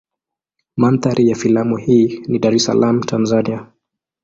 Mandhari ya filamu hii ni Dar es Salaam Tanzania.